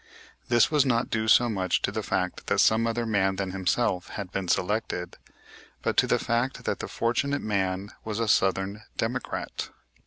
This was not due so much to the fact that some other one than himself had been selected, but to the fact that the fortunate man was a Southern Democrat.